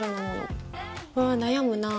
うわ悩むなぁ。